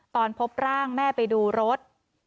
ตอนพบร่างแม่ไปดูรถ